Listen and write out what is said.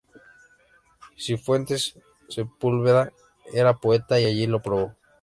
Cifuentes Sepúlveda era poeta, y allí lo probó.